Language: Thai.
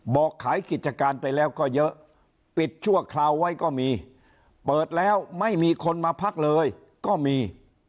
บอกขายกิจการไปแล้วก็เยอะปิดชั่วคราวไว้ก็มีเปิดแล้วไม่มีคนมาพักเลยก็มี